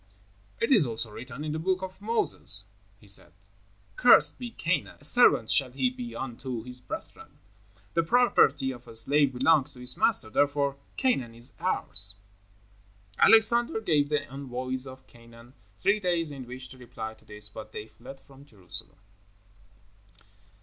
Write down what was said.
"It is also written in the Books of Moses," he said, "'Cursed be Canaan; a servant shall he be unto his brethren.' The property of a slave belongs to his master, therefore Canaan is ours." Alexander gave the envoys of Canaan three days in which to reply to this, but they fled from Jerusalem.